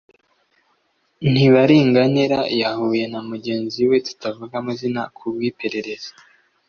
Ntibaringanira yahuye na mugenzi we tutavuga amazina ku bw’iperereza